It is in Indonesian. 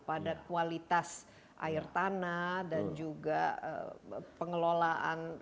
pada kualitas air tanah dan juga pengelolaan